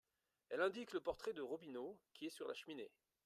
Elle indique le portrait de Robineau qui est sur la cheminée.